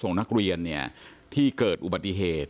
ส่งนักเรียนที่เกิดอุบัติเหตุ